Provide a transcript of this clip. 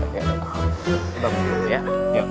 coba berdua ya